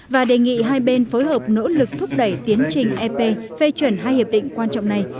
và đề nghị hai bên phối hợp nỗ lực thúc đẩy tiến trình ep phê chuẩn hai hiệp định quan trọng này